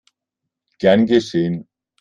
Gern geschehen!